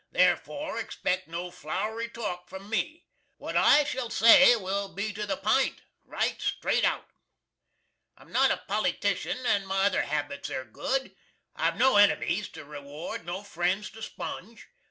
There4, expect no flowry talk from me. What I shall say will be to the pint, right strate out. I'm not a politician and my other habits air good. I've no enemys to reward, nor friends to sponge.